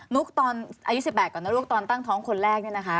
นุ๊กตอนอายุ๑๘ก่อนนะลูก